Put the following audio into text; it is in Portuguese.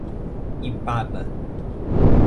Ipaba